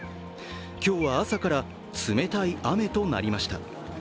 今日は朝から冷たい雨となりました。